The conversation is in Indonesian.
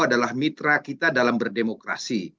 adalah mitra kita dalam berdemokrasi